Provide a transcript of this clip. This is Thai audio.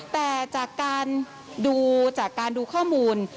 แต่จากการดูข้อมูล